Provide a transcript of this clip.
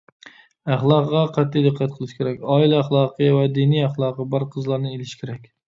ئەخلاقىغا قەتئىي دىققەت قىلىش كېرەك، ئائىلە ئەخلاقى ۋە دىنىي ئەخلاقى بار قىزلارنى ئېلىش كېرەك.